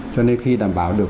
cho nên khi đảm bảo được